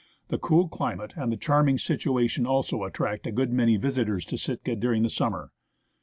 The cool climate, and the charming situation also, attract a good many visitors to Sitka during the summer.